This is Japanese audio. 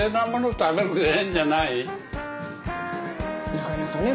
なかなかね